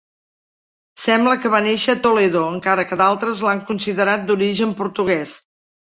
Sembla que va néixer a Toledo, encara que d'altres l'han considerat d'origen portuguès.